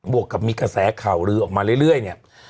วกกับมีกระแสข่าวลือออกมาเรื่อยเนี่ย